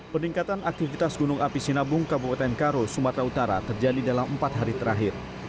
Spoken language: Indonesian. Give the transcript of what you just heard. peningkatan aktivitas gunung api sinabung kabupaten karo sumatera utara terjadi dalam empat hari terakhir